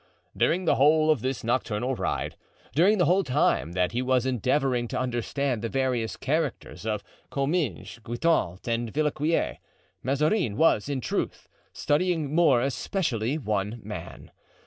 During the whole of this nocturnal ride, during the whole time that he was endeavoring to understand the various characters of Comminges, Guitant and Villequier, Mazarin was, in truth, studying more especially one man.